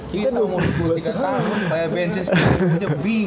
kita umur dua puluh tiga tahun bayar benceng sebulan